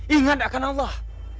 ingat akan allah